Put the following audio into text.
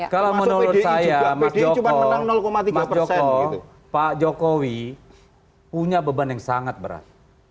kalau menurut saya mas jokowi pak jokowi punya beban yang sangat berat